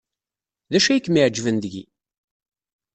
D acu ay kem-iɛejben deg-i?